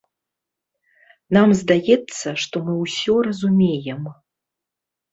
Нам здаецца, што мы ўсё разумеем.